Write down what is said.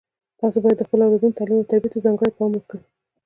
تاسو باید د خپلو اولادونو تعلیم او تربیې ته ځانګړی پام وکړئ